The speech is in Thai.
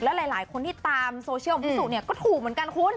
และหลายคนที่ตามโซเชียลของพี่สุเนี่ยก็ถูกเหมือนกันคุณ